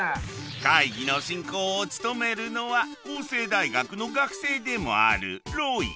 会議の進行を務めるのは法政大学の学生でもあるロイ！